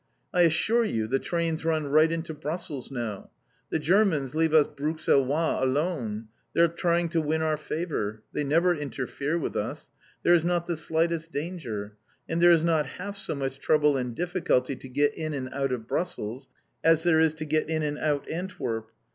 I assure you the trains run right into Brussels now. The Germans leave us Bruxellois alone. They're trying to win our favour. They never interfere with us. There is not the slightest danger. And there is not half so much trouble and difficulty to get in and out of Brussels as there is to get in and out Antwerp.